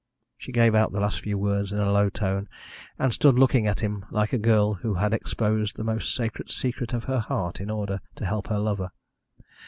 She gave out the last few words in a low tone, and stood looking at him like a girl who had exposed the most sacred secret of her heart in order to help her lover.